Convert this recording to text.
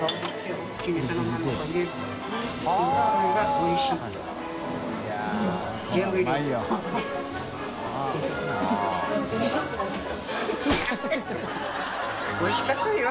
「おいしいかとよ」